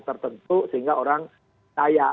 tertentu sehingga orang kaya